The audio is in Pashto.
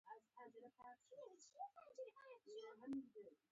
که مجاهدین په زور وشړل شي متحد افغانستان به ونه لرئ.